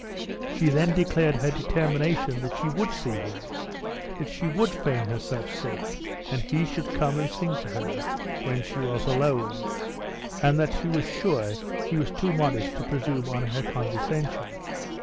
She then declared her determination that she would see him; that she would feign herself sick, and he should come and sing to her when she was alone; and that she was sure he was too modest to presume on her condescension.